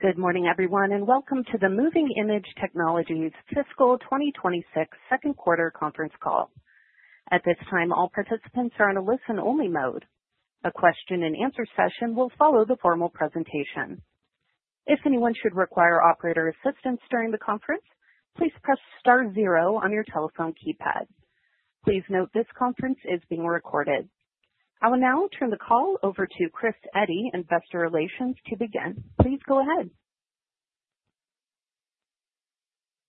Good morning, everyone, and welcome to the Moving iMage Technologies Fiscal 2026 second quarter conference call. At this time, all participants are on a listen-only mode. A question and answer session will follow the formal presentation. If anyone should require operator assistance during the conference, please press star zero on your telephone keypad. Please note, this conference is being recorded. I will now turn the call over to Chris Eddy, Investor Relations, to begin. Please go ahead.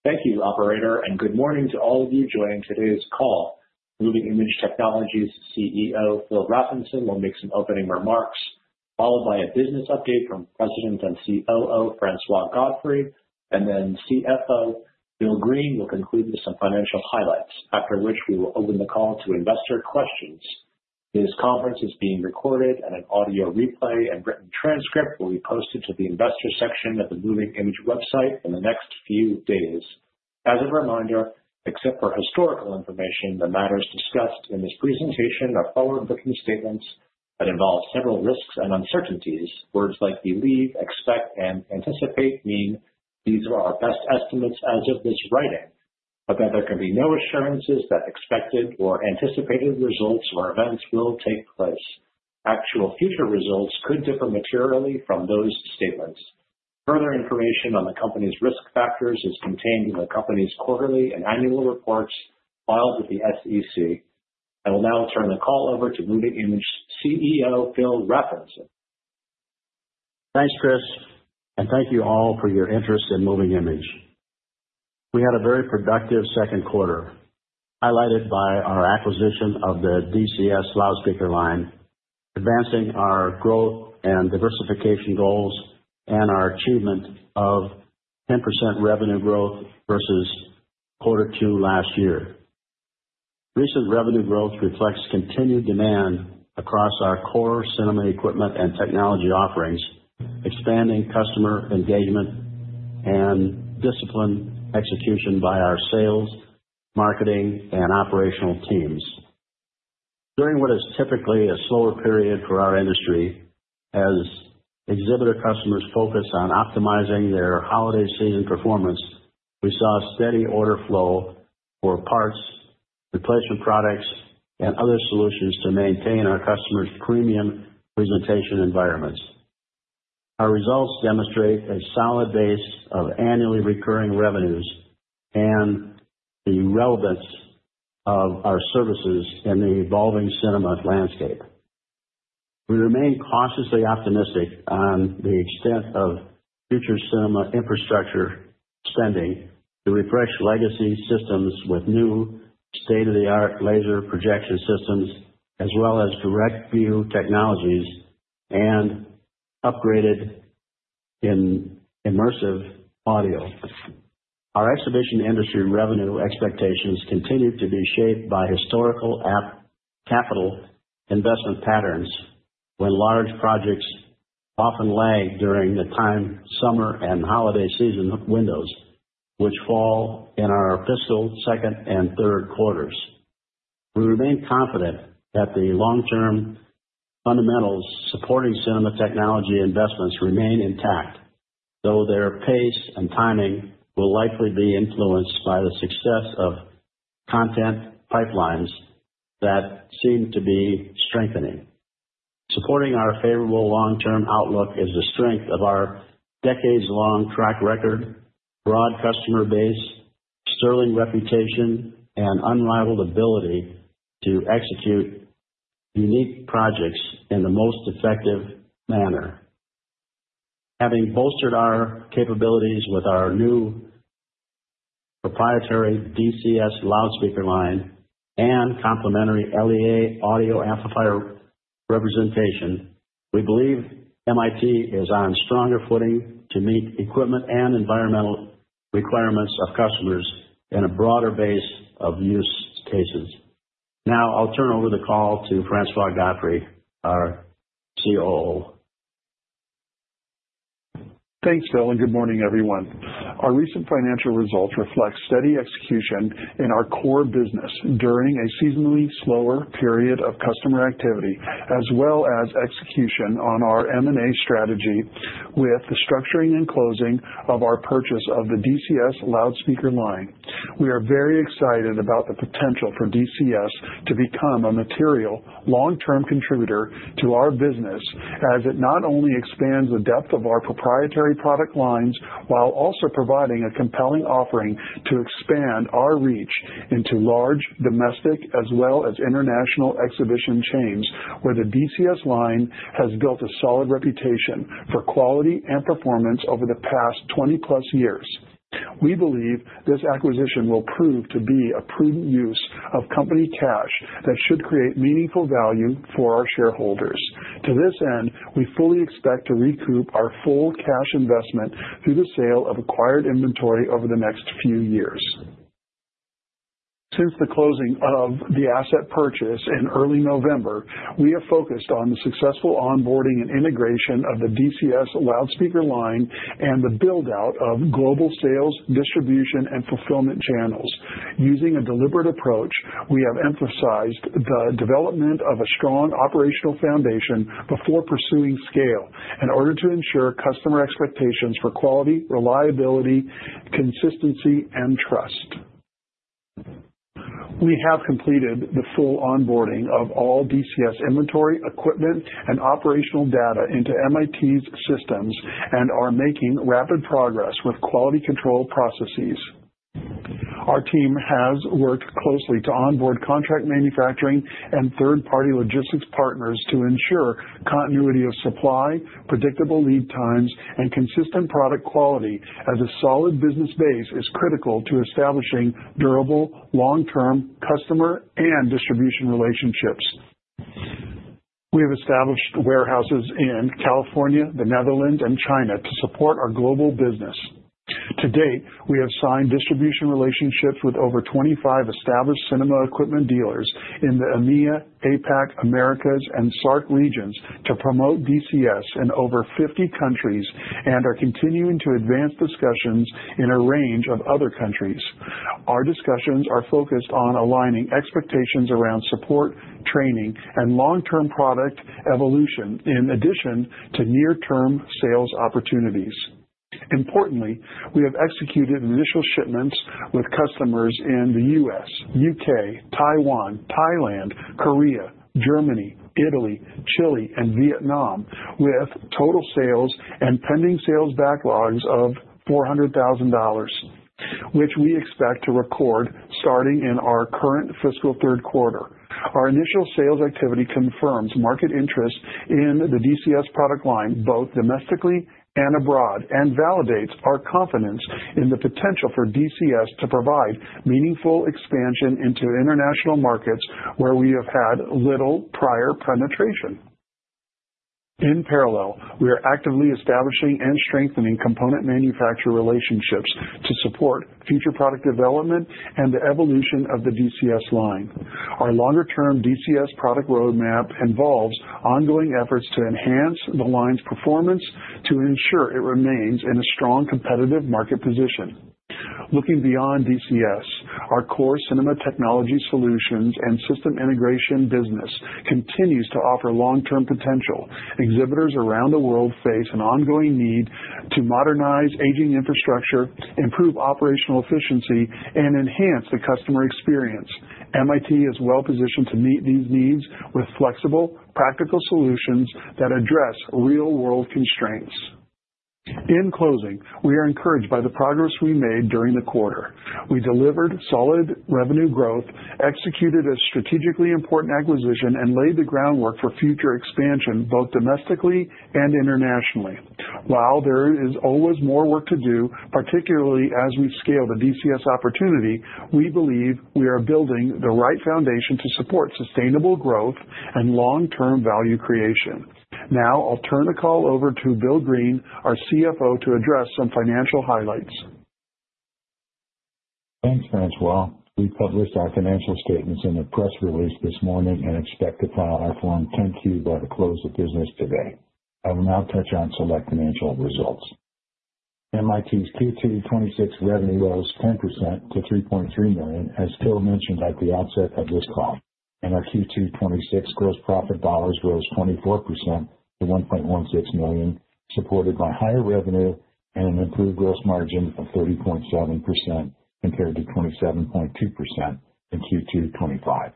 Thank you, operator, and good morning to all of you joining today's call. Moving iMage Technologies CEO, Phil Rafnson, will make some opening remarks, followed by a business update from President and COO, Francois Godfrey, and then CFO Bill Greene will conclude with some financial highlights, after which we will open the call to investor questions. This conference is being recorded and an audio replay and written transcript will be posted to the investors section of the Moving iMage website in the next few days. As a reminder, except for historical information, the matters discussed in this presentation are forward-looking statements that involve several risks and uncertainties. Words like believe, expect and anticipate mean these are our best estimates as of this writing, but that there can be no assurances that expected or anticipated results or events will take place. Actual future results could differ materially from those statements. Further information on the company's risk factors is contained in the company's quarterly and annual reports filed with the SEC. I will now turn the call over to Moving iMage Technologies CEO, Phil Rafnson. Thanks, Chris, and thank you all for your interest in Moving iMage Technologies. We had a very productive second quarter, highlighted by our acquisition of the DCS loudspeaker line, advancing our growth and diversification goals, and our achievement of 10% revenue growth versus quarter two last year. Recent revenue growth reflects continued demand across our core cinema equipment and technology offerings, expanding customer engagement and disciplined execution by our sales, marketing, and operational teams. During what is typically a slower period for our industry, as exhibitor customers focus on optimizing their holiday season performance, we saw steady order flow for parts, replacement products, and other solutions to maintain our customers' premium presentation environments. Our results demonstrate a solid base of annually recurring revenues and the relevance of our services in the evolving cinema landscape. We remain cautiously optimistic on the extent of future cinema infrastructure spending to refresh legacy systems with new state-of-the-art laser projection systems, as well as direct view technologies and upgraded immersive audio. Our exhibition industry revenue expectations continue to be shaped by historical CapEx investment patterns, when large projects often lag during the summer and holiday season windows, which fall in our fiscal second and third quarters. We remain confident that the long-term fundamentals supporting cinema technology investments remain intact, though their pace and timing will likely be influenced by the success of content pipelines that seem to be strengthening. Supporting our favorable long-term outlook is the strength of our decades-long track record, broad customer base, sterling reputation, and unrivaled ability to execute unique projects in the most effective manner. Having bolstered our capabilities with our new proprietary DCS loudspeaker line and complementary LEA audio amplifier representation, we believe MiT is on stronger footing to meet equipment and environmental requirements of customers in a broader base of use cases. Now I'll turn over the call to Francois Godfrey, our COO. Thanks, Phil, and good morning, everyone. Our recent financial results reflect steady execution in our core business during a seasonally slower period of customer activity, as well as execution on our M&A strategy with the structuring and closing of our purchase of the DCS loudspeaker line. We are very excited about the potential for DCS to become a material long-term contributor to our business, as it not only expands the depth of our proprietary product lines, while also providing a compelling offering to expand our reach into large domestic as well as international exhibition chains, where the DCS line has built a solid reputation for quality and performance over the past 20+ years. We believe this acquisition will prove to be a prudent use of company cash that should create meaningful value for our shareholders. To this end, we fully expect to recoup our full cash investment through the sale of acquired inventory over the next few years. Since the closing of the asset purchase in early November, we have focused on the successful onboarding and integration of the DCS loudspeaker line and the build-out of global sales, distribution, and fulfillment channels... Using a deliberate approach, we have emphasized the development of a strong operational foundation before pursuing scale in order to ensure customer expectations for quality, reliability, consistency and trust. We have completed the full onboarding of all DCS inventory, equipment, and operational data into MiT's systems and are making rapid progress with quality control processes. Our team has worked closely to onboard contract manufacturing and third-party logistics partners to ensure continuity of supply, predictable lead times, and consistent product quality as a solid business base is critical to establishing durable, long-term customer and distribution relationships. We have established warehouses in California, the Netherlands, and China to support our global business. To date, we have signed distribution relationships with over 25 established cinema equipment dealers in the EMEA, APAC, Americas, and SAARC regions to promote DCS in over 50 countries, and are continuing to advance discussions in a range of other countries. Our discussions are focused on aligning expectations around support, training, and long-term product evolution, in addition to near-term sales opportunities. Importantly, we have executed initial shipments with customers in the US, UK, Taiwan, Thailand, Korea, Germany, Italy, Chile, and Vietnam, with total sales and pending sales backlogs of $400,000, which we expect to record starting in our current fiscal third quarter. Our initial sales activity confirms market interest in the DCS product line, both domestically and abroad, and validates our confidence in the potential for DCS to provide meaningful expansion into international markets where we have had little prior penetration. In parallel, we are actively establishing and strengthening component manufacturer relationships to support future product development and the evolution of the DCS line. Our longer term DCS product roadmap involves ongoing efforts to enhance the line's performance to ensure it remains in a strong competitive market position. Looking beyond DCS, our core cinema technology solutions and system integration business continues to offer long-term potential. Exhibitors around the world face an ongoing need to modernize aging infrastructure, improve operational efficiency, and enhance the customer experience. MiT is well positioned to meet these needs with flexible, practical solutions that address real-world constraints. In closing, we are encouraged by the progress we made during the quarter. We delivered solid revenue growth, executed a strategically important acquisition, and laid the groundwork for future expansion, both domestically and internationally. While there is always more work to do, particularly as we scale the DCS opportunity, we believe we are building the right foundation to support sustainable growth and long-term value creation. Now I'll turn the call over to Bill Greene, our CFO, to address some financial highlights. Thanks, Francois. We published our financial statements in a press release this morning and expect to file our Form 10-Q by the close of business today. I will now touch on select financial results. MiT's Q2 2026 revenue rose 10% to $3.3 million, as Phil mentioned at the outset of this call, and our Q2 2026 gross profit dollars rose 24% to $1.16 million, supported by higher revenue and an improved gross margin of 30.7%, compared to 27.2% in Q2 2025,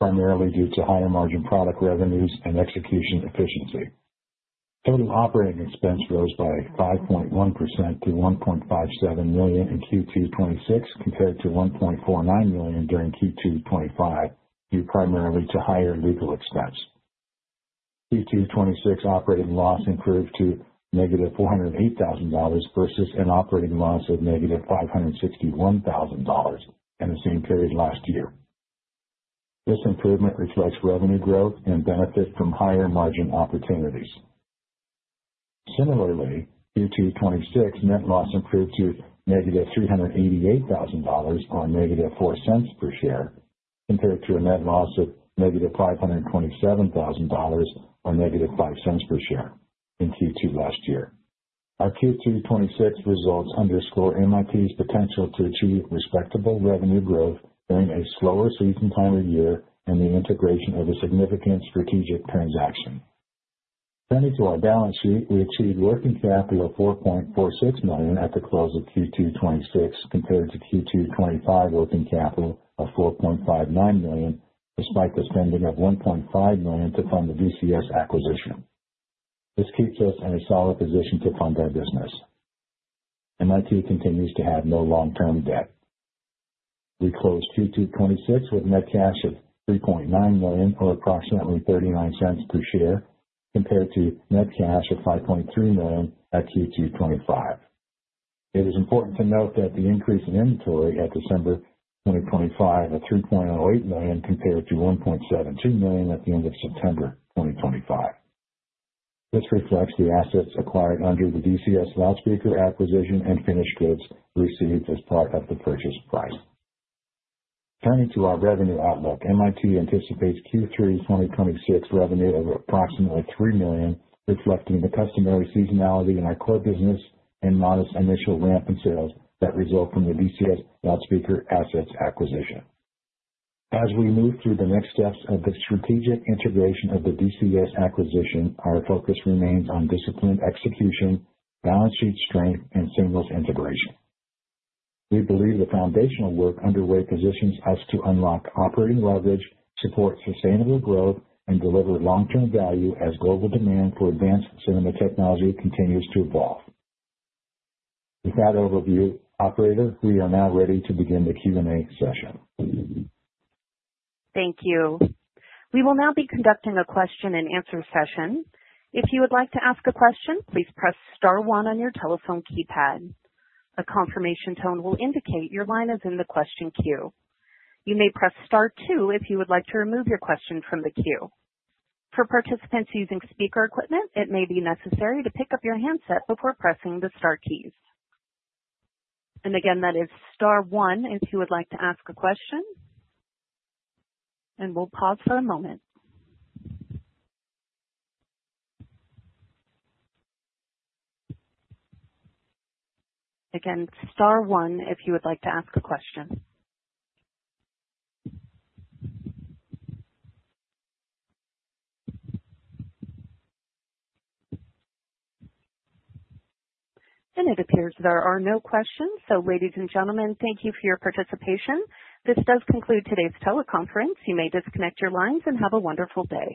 primarily due to higher margin product revenues and execution efficiency. Total operating expense rose by 5.1% to $1.57 million in Q2 2026, compared to $1.49 million during Q2 2025, due primarily to higher legal expense. Q2 2026 operating loss improved to negative $408,000 versus an operating loss of negative $561,000 in the same period last year. This improvement reflects revenue growth and benefit from higher margin opportunities. Similarly, Q2 2026 net loss improved to negative $388,000, or negative 4 cents per share, compared to a net loss of negative $527,000 or negative 5 cents per share in Q2 last year. Our Q2 2026 results underscore MIT's potential to achieve respectable revenue growth during a slower season time of year and the integration of a significant strategic transaction. Turning to our balance sheet, we achieved working capital of $4.46 million at the close of Q2 2026, compared to Q2 2025 working capital of $4.59 million, despite the spending of $1.5 million to fund the DCS acquisition. This keeps us in a solid position to fund our business. MIT continues to have no long-term debt. We closed Q2 2026 with net cash of $3.9 million, or approximately $0.39 per share, compared to net cash of $5.3 million at Q2 2025. It is important to note that the increase in inventory at December 2025 of $3.08 million, compared to $1.72 million at the end of September 2025. This reflects the assets acquired under the DCS Loudspeaker acquisition and finished goods received as part of the purchase price. Turning to our revenue outlook, MiT anticipates Q3 2026 revenue of approximately $3 million, reflecting the customary seasonality in our core business and modest initial ramp in sales that result from the DCS loudspeaker assets acquisition. As we move through the next steps of the strategic integration of the DCS acquisition, our focus remains on disciplined execution, balance sheet strength, and seamless integration. We believe the foundational work underway positions us to unlock operating leverage, support sustainable growth, and deliver long-term value as global demand for advanced cinema technology continues to evolve. With that overview, operator, we are now ready to begin the Q&A session. Thank you. We will now be conducting a question-and-answer session. If you would like to ask a question, please press star one on your telephone keypad. A confirmation tone will indicate your line is in the question queue. You may press star two if you would like to remove your question from the queue. For participants using speaker equipment, it may be necessary to pick up your handset before pressing the star keys. Again, that is star one if you would like to ask a question, and we'll pause for a moment. Again, star one if you would like to ask a question. It appears there are no questions. Ladies and gentlemen, thank you for your participation. This does conclude today's teleconference. You may disconnect your lines and have a wonderful day.